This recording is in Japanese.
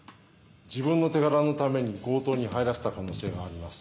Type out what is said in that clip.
自分の手柄のために強盗に入らせた可能性があります。